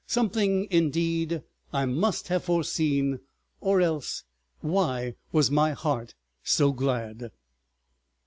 Something indeed I must have foreseen—or else why was my heart so glad?